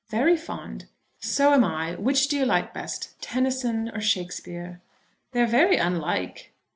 "Very fond." "So am I. Which do you like best, Tennyson or Shakespeare?" "They are very unlike."